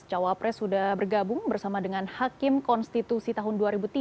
cawapres sudah bergabung bersama dengan hakim konstitusi tahun dua ribu tiga dua ribu sembilan